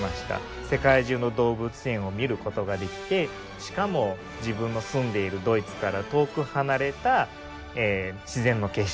世界中の動物園を見ることができてしかも自分の住んでいるドイツから遠く離れた自然の景色。